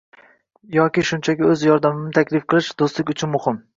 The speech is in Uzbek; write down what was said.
yoki shunchaki o‘z yordamini taklif qilish – do‘stlik uchun muhim